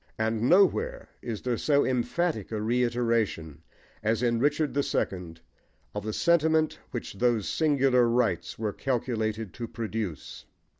And nowhere is there so emphatic a reiteration as in Richard the Second of the sentiment which those singular rites were calculated to produce.